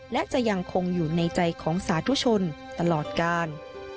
และจะยังคงอยู่ในใจของสาธุชนตลอดกาล